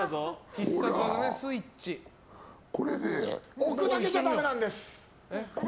置くだけじゃダメなんです。